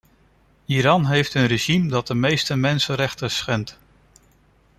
Iran heeft een regime dat de meeste mensenrechten schendt.